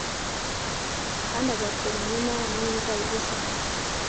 Kandi azatora imirima yanyu n’inzabibu zanyu